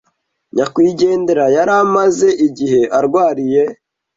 Nyakwigendera yari amaze igihe arwariye